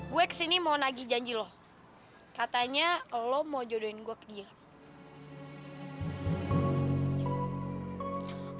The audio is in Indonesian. gue kesini mau nagih janji lo katanya lo mau jodohin gue ke gilang